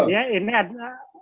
ya ini ada